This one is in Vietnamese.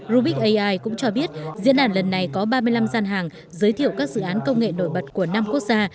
rubik ai cũng cho biết diễn đàn lần này có ba mươi năm gian hàng giới thiệu các dự án công nghệ nổi bật của năm quốc gia